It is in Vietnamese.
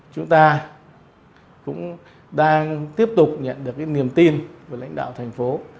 chúng ta cũng đang tiếp tục nhận được cái niềm tin của lãnh đạo thành phố